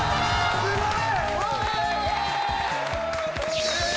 すごい。